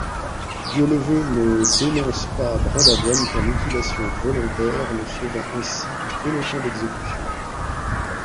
Dieuleveut ne dénonce pas Brindavoine pour mutilation volontaire, le sauvant ainsi du peloton d'exécution.